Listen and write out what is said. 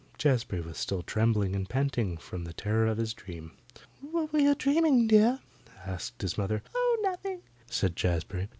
Jazbury was still trembling and panting from the terror of his dream. "What were you dreaming, dear?" asked his mother. "Oh, nothing," said Jazbury.